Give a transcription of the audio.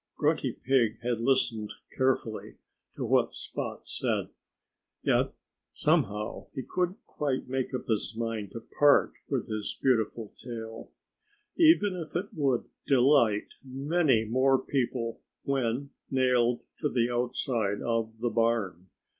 Grunty Pig had listened carefully to what Spot said. Yet somehow he couldn't quite make up his mind to part with his beautiful tail, even if it would delight many more people when nailed to the outside of the barn.